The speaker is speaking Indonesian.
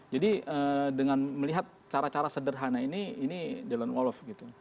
jadi dengan melihat cara cara sederhana ini ini jalan wolf